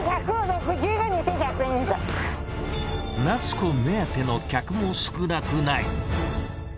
夏子目当ての客も少なくない。